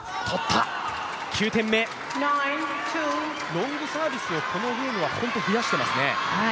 ロングサービスをこのゲームは増やしていますね。